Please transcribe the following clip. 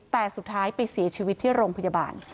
แต่สุดท้ายไปเสียชีวิตที่โรงพยาบาล